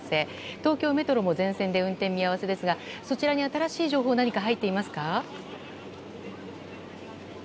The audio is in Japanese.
東京メトロも全線で運転見合わせですがそちらに新しい情報は何か入っていますか？